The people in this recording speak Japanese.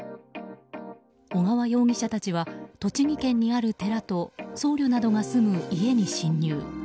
小川容疑者たちは栃木県にある寺と僧侶などが住む家に侵入。